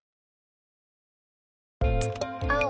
あお。